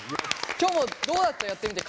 きょもどうだったやってみて。